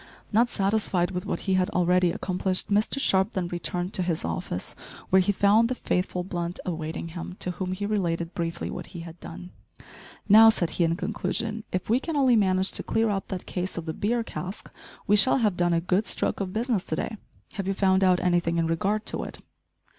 Not satisfied with what he had already accomplished, Mr Sharp then returned to his office, where he found the faithful Blunt awaiting him, to whom he related briefly what he had done. "Now," said he, in conclusion, "if we can only manage to clear up that case of the beer cask, we shall have done a good stroke of business to day. Have you found out anything in regard to it?"